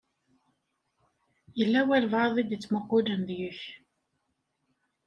Yella walebɛaḍ i d-ittmuqqulen deg-k.